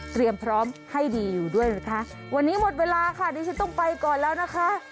พร้อมให้ดีอยู่ด้วยนะคะวันนี้หมดเวลาค่ะดิฉันต้องไปก่อนแล้วนะคะ